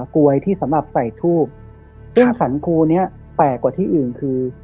กลวยที่สำหรับใส่ทูบซึ่งสรรคูเนี้ยแปลกกว่าที่อื่นคือ